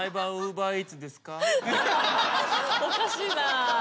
おかしいな。